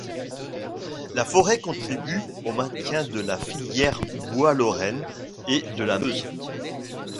La forêt contribue au maintien de la filière bois lorraine et de la Meuse.